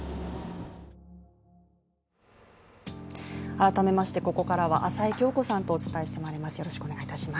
改めましてここからは朝井香子さんとお伝えしていきます。